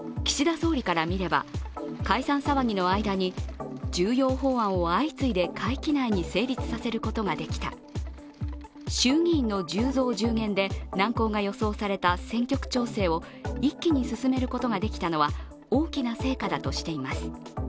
総理からみれば、解散騒ぎの間に重要法案を相次いで会期内に成立させることができた、衆議院の１０増１０減で、難航が予想された選挙区調整を一気に進めることができたのは大きな成果だとしています。